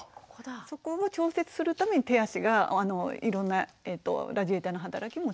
そこを調節するために手足がいろんなラジエーターの働きもしているので。